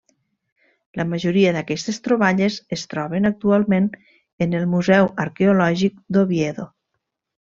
La majoria d'aquestes troballes es troben actualment en el Museu Arqueològic d'Oviedo.